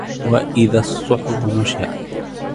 وَإِذَا الصُّحُفُ نُشِرَتْ